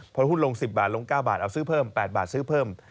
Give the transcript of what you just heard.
พอหุ้นลง๑๐บาทลง๙บาทเอาซื้อเพิ่ม๘บาทซื้อเพิ่ม